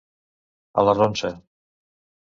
A la ronsa.